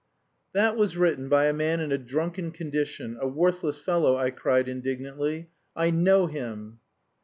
"That was written by a man in a drunken condition, a worthless fellow," I cried indignantly. "I know him."